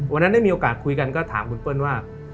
วันนั้นได้มีโอกาสคุยกันก็ถามคุณเปิ้ลว่า